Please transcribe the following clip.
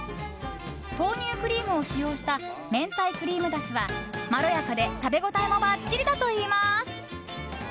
豆乳クリームを使用した明太クリームだしはまろやかで食べ応えもばっちりだといいます。